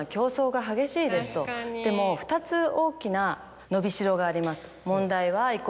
でも２つ大きな伸びしろがあります。